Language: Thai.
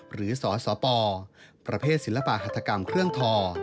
หรือสสปประเภทศิลปหัฐกรรมเครื่องทอ